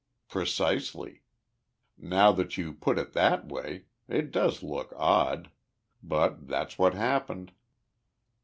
"Precisely. Now that you put it that way, it does look odd. But that's what happened."